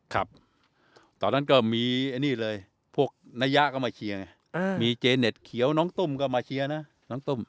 ครับตอนนั้นก็มีนี่เลยพวกนายะก็มาเชียร์ไงมีเจเน็ตเขียวน้องตุ้มก็มาเชียร์นะน้องตุ้ม